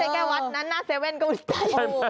ไม่แค่วัดนั้นอัน๗อุ่นใจ